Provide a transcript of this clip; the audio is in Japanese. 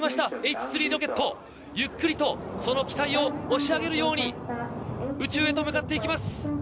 Ｈ３ロケットゆっくりとその機体を押し上げるように宇宙へと向かっていきます。